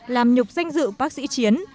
làm nhục danh dự bác sĩ chiến